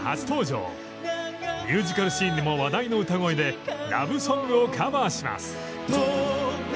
ミュージカルシーンでも話題の歌声でラブソングをカバーします。